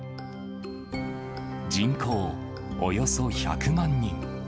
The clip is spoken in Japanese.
人口およそ１００万人。